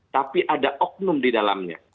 tapi ada oknum di dalamnya